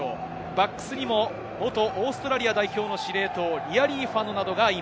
バックスにも元オーストラリア代表の司令塔、リアリーファノがい